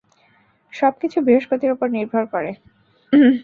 সব কিছু বৃহস্পতির ওপর নির্ভর করে।